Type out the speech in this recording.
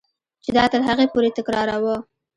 چې دا تر هغې پورې تکراروه.